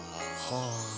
はあ。